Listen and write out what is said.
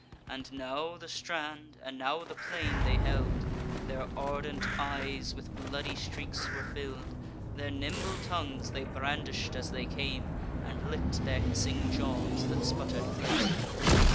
And now the strand, and now the plain they held; Their ardent eyes with bloody streaks were fill'd; Their nimble tongues they brandish'd as they came, And lick'd their hissing jaws, that sputter'd flame.